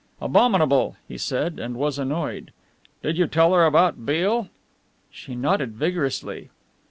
"Abominable," he said, and was annoyed. "Did you tell her about Beale?" She nodded vigorously.